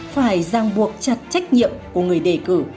phải giang buộc chặt trách nhiệm của người đề cử